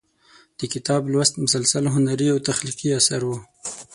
د کتاب لوست مسلسل هنري او تخلیقي اثر و.